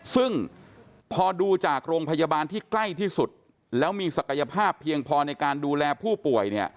ซึ่งพอดูจากโรงพยาบาลที่ใกล้ที่สุดแล้วมีศักยภาพเพียงพอในการดูแลผู้ป่วยเนี่ย